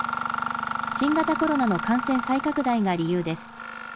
新型コロナの感染再拡大が理由です。